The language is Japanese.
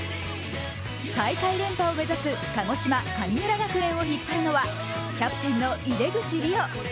大会連覇を目指す鹿児島・神村学園を引っ張るのは、キャプテンの井手口怜央。